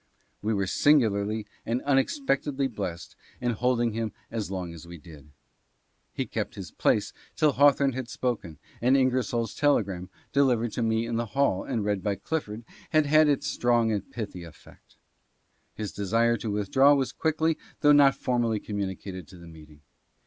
We were singularly and unexpectedly blessed in holding him as long as we did. He kept his place till Haw thorne had spoken, and Ingersoll's telegram, delivered to me in the hall and read by Clifford, had had its strong and pithy effect. His desire to withdraw was quickly though not formally commu nicated to the meeting.